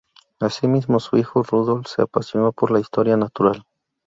Asimismo su hijo Rudolf se apasionó por la Historia natural.